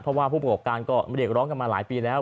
เพราะว่าผู้ประกอบการก็เรียกร้องกันมาหลายปีแล้ว